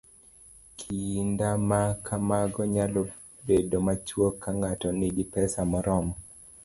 Kinda ma kamago nyalo bedo machuok ka ng'ato nigi pesa moromo